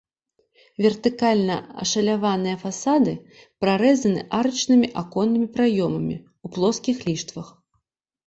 Вертыкальна ашаляваныя фасады прарэзаны арачнымі аконнымі праёмамі ў плоскіх ліштвах.